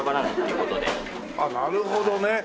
あっなるほどね。